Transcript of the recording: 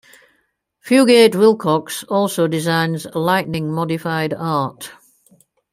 Fugate-Wilcox also designs lightning-modified art.